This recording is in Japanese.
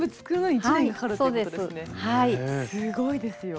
すごいですよ。